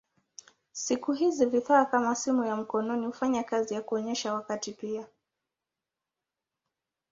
Siku hizi vifaa kama simu ya mkononi hufanya kazi ya kuonyesha wakati pia.